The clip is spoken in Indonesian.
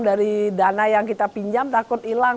dari dana yang kita pinjam takut hilang